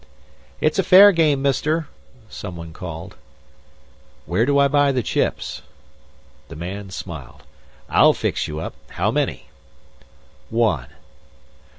"It's a fair game, Mister," someone called. "Where do I buy the chips?" The man smiled. "I'll fix you up. How many?" "One."